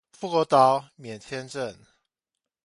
富國島免簽證